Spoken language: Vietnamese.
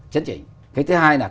chấn chỉnh cái thứ hai là